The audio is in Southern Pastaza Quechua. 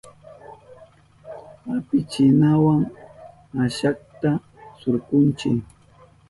Apichinawa kashata surkunchi.